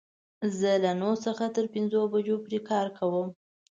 زه له نهو څخه تر پنځو بجو پوری کار کوم